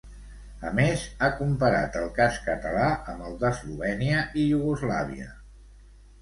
A més, ha comparat el cas català amb el d'Eslovènia i Iugoslàvia.